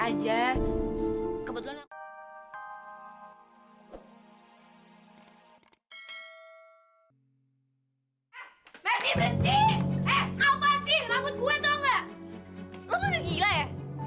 lo tuh udah gila ya